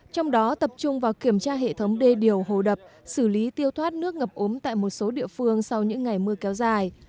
trong đó tập trung vào kiểm tra hệ thống đê điều hồ đập xử lý tiêu thoát nước ngập ống tại một số địa phương sau những ngày mưa kéo dài